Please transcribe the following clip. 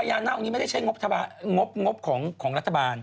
พยานาคอันนี้ไม่ใช่งบของรัฐบาล